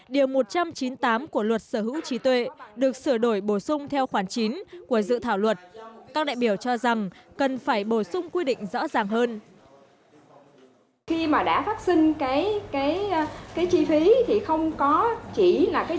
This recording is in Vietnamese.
điều một trăm chín mươi tám của luật sở hữu trí tuệ được sửa đổi bổ sung theo khoảng chín của dự thảo luật